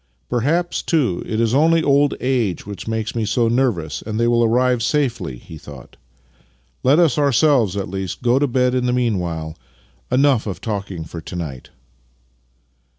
" Perhaps, too, it is only old age which makes me so nervous, and they will arrive safely," he thought. " Let us ourselves at least go to bed in the meanwhile. Enough of talking for to night."